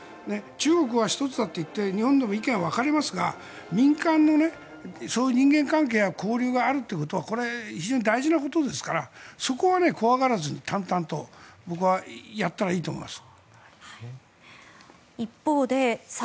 中国は一つだといって日本でも意見が分かれますが民間のそういう人間関係や交流があるということは非常に大事なことですからそこは怖がらずに淡々と僕はやったらいいと思います。